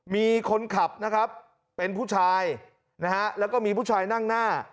มีคนขับนะครับเป็นผู้ชายนะฮะแล้วก็มีผู้ชายนั่งหน้า